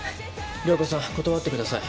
涼子さん断ってください。